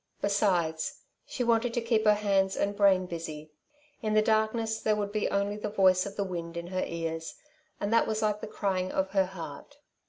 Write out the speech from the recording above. Besides, she wanted to keep her hands and brain busy. In the darkness there would be only the voice of the wind in her ears, and that was like the crying of her heart.